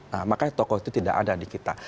nah makanya tokoh itu tidak ada di kita